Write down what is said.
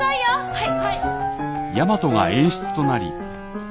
はい。